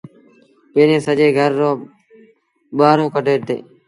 پيريٚݩ سڄي گھر رو ٻوهآرو ڪڍيٚن ديٚݩ ۔